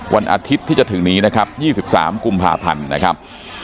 วันอาทิตย์ที่จะถึงนี้นะครับ๒๓กุมภาพันธ์นะครับ